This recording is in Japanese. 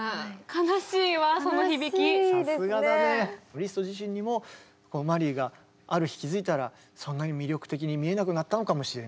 リスト自身にもマリーがある日気付いたらそんなに魅力的に見えなくなったのかもしれないし。